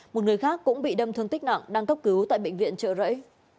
một người khác cũng bị đâm thương tích nặng đang cấp cứu tại bệnh viện trợ rẫy